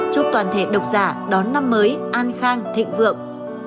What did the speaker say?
chúc toàn thể độc giả đón năm mới an khang thịnh vượng